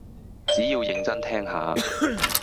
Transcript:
只要認真聽下